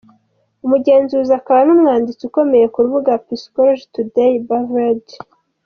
Umugenzuzi akaba n’umwanditsi ukomeye ku rubuga ‘Psychology Today’, Beverly D.